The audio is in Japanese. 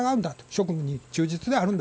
職務に忠実であるんだと。